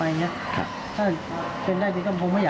อันนี้ปี๑น่ะ